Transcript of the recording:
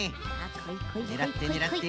ねらってねらって。